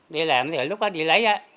đi làm thì lúc đó đi lấy á